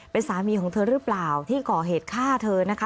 เป็นสามีของเธอหรือเปล่าที่ก่อเหตุฆ่าเธอนะคะ